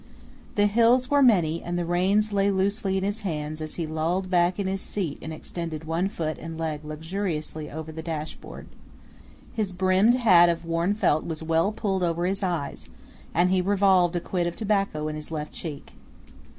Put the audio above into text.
The hills were many, and the reins lay loosely in his hands as he lolled back in his seat and extended one foot and leg luxuriously over the dashboard. His brimmed hat of worn felt was well pulled over his eyes, and he revolved a quid of tobacco in his left cheek.